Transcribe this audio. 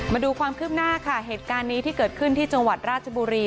มาดูความคืบหน้าค่ะเหตุการณ์นี้ที่เกิดขึ้นที่จังหวัดราชบุรี